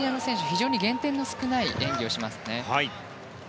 非常に減点の少ない演技をしますね。